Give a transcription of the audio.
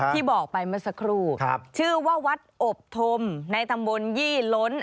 ที่บอกไปเมื่อสักครู่ชื่อว่าวัดอบธมในตำบลยี่ล้น